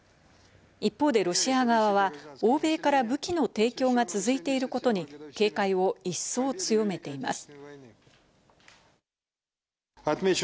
一方でロシア側は欧米から武器の提供が続いていることに警戒を一層強めています。